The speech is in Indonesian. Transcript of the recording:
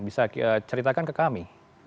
bisa ceritakan ke kami